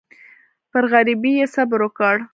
پر غریبۍ یې صبر وکړ.